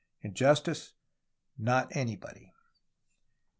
In justice, not anybody.